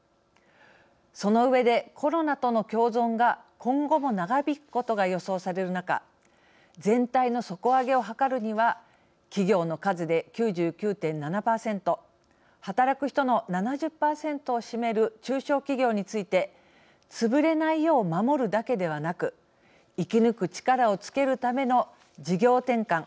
その上で、コロナとの共存が今後も長引くことが予想される中全体の底上げを図るには企業の数で９９．７％働く人の７０％を占める中小企業についてつぶれないよう守るだけではなく生き抜く力をつけるための事業転換。